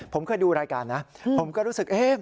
ผมเคยดูรายการนะผมก็รู้สึกเอ๊ะ